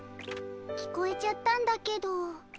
聞こえちゃったんだけど。